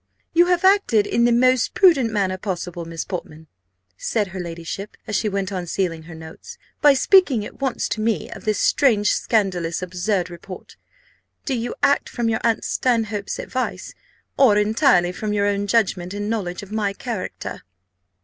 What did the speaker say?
"You have acted in the most prudent manner possible, Miss Portman," said her ladyship, as she went on sealing her notes, "by speaking at once to me of this strange, scandalous, absurd report. Do you act from your aunt Stanhope's advice, or entirely from your own judgment and knowledge of my character?"